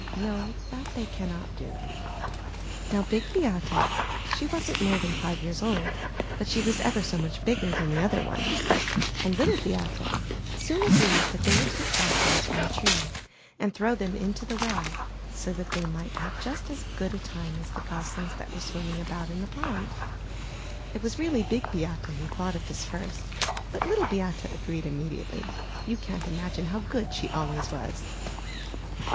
— no, that they cannot do. Now Big Beate — she wasn't more than five years old, but she was ever so much bigger than the other one — and Little Beate, soon agreed that they would pick goslings from the tree and throw them into the well, so that they might hav"e just as good a time as the goslings that were swimming about in the pond. It was really Big Beate who thought of this first, but Little Beate agreed immediately; you can't imagine how good she always was.